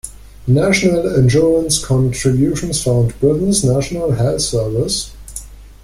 National Insurance contributions fund Britain’s National Health Service